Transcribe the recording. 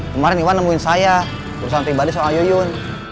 kemarin iwan nemuin saya urusan pribadi soal yuyun